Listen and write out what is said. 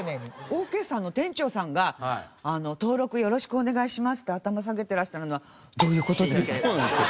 オーケーさんの店長さんが「登録よろしくお願いします」って頭下げていらしたのはどういう事ですか？